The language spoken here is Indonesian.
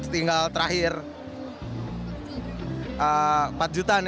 tinggal terakhir rp empat